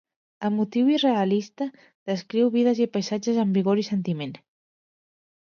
Emotiu i realista, descriu vides i paisatges amb vigor i sentiment.